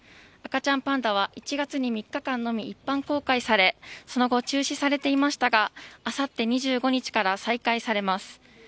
赤ちゃんパンダは１月に３日間のみ一般公開され、その後、中止されていましたが、あさって２５日から再開されます。